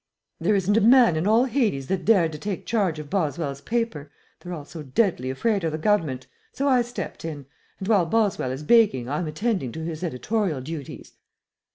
There isn't a man in all Hades that dared take charge of Boswell's paper they're all so deadly afraid of the government, so I stepped in, and while Boswell is baking I'm attending to his editorial duties."